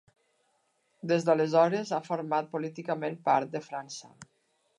Des d'aleshores, ha format políticament part de França.